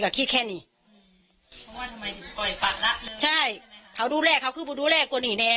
เพราะว่าทำไมถึงปล่อยฝักละใช่เขาดูแลเขาคือดูแลคนอีแน